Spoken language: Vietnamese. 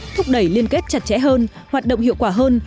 thúc đẩy liên kết chặt chẽ hơn hoạt động hiệu quả hơn